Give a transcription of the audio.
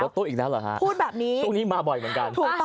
รถตู้อีกแล้วเหรอคะช่วงนี้มาบ่อยเหมือนกันพูดแบบนี้